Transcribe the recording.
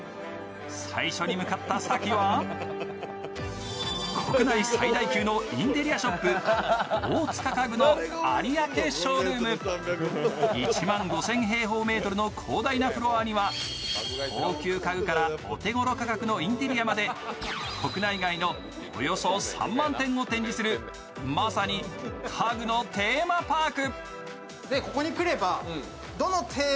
最初に向かった先は、国内最大級のインテリアショップ、大塚家具の有明ショールーム。１万５０００平方メートルの広大なフロアには高級家具からお手頃価格のインテリアまで国内外のおよそ３万点を展示する、まさに家具のテーマパーク。